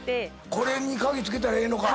これに鍵つけたらええのか。